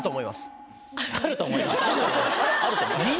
「あると思います」。